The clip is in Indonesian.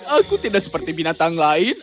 aku tidak seperti binatang lain